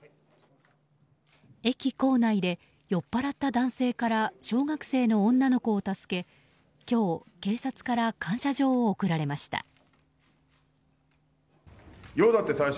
駅構内で酔っぱらった男性から小学生の女の子を助け、今日警察から感謝状を贈られました。